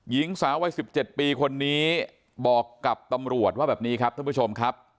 หญิงสาววัย๑๗ปีคนนี้บอกกับตำรวจว่าแบบนี้ครับท่านผู้ชมครับ